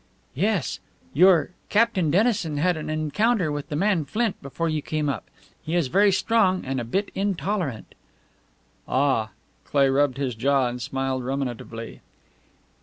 "Yes. Your Captain Dennison had an encounter with the man Flint before you came up. He is very strong and and a bit intolerant." "Ah!" Cleigh rubbed his jaw and smiled ruminatively.